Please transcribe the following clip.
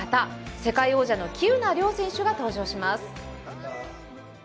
世界王者の喜友名諒選手が登場します。